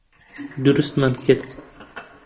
دروستمان کرد.